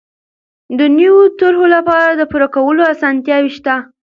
د نويو طرحو لپاره د پور ورکولو اسانتیاوې شته.